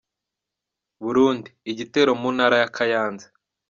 Burundi: Igitero mu ntara ya Kayanza.